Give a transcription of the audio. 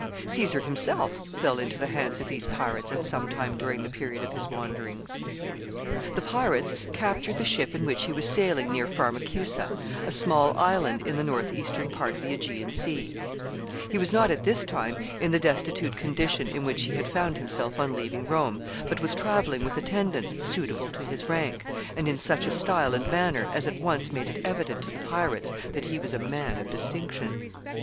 Caesar himself fell into the hands of these pirates at some time during the period of his wanderings. [Sidenote: They capture Caesar.] The pirates captured the ship in which he was sailing near Pharmacusa, a small island in the northeastern part of the Aegean Sea. He was not at this time in the destitute condition in which he had found himself on leaving Rome, but was traveling with attendants suitable to his rank, and in such a style and manner as at once made it evident to the pirates that he was a man of distinction.